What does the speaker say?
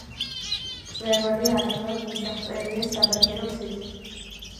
მწვერვალი ადვილად მისაღწევია საბაგირო გზით.